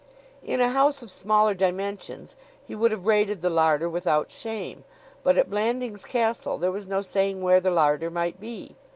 In a house of smaller dimensions he would have raided the larder without shame, but at Blandings Castle there was no saying where the larder might be.